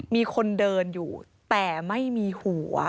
มีคนเดินอยู่แต่ไม่มีหัว